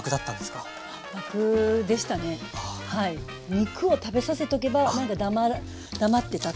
肉を食べさせとけば何か黙ってたっていう。